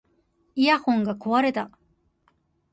イヤホンが壊れた